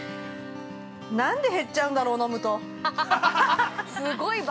◆なんで減っちゃうんだろう